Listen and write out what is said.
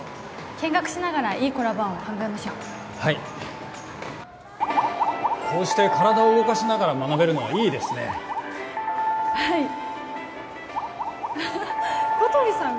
見学しながらいいコラボ案を考えましょうはいこうして体を動かしながら学べるのはいいですねはいアハッ小鳥さん